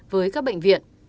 với các bệnh viện